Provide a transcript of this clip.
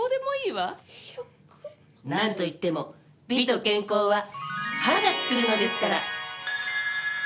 なんといっても美と健康は歯が作るのですから！